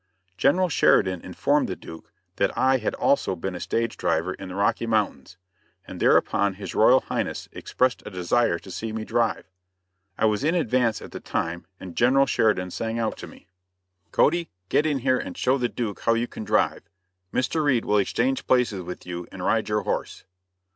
General Sheridan informed the Duke that I also had been a stage driver in the Rocky Mountains, and thereupon His Royal Highness expressed a desire to see me drive. I was in advance at the time, and General Sheridan sang out to me: "Cody, get in here and show the Duke how you can drive. Mr. Reed will exchange places with you and ride your horse."